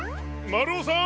まるおさん！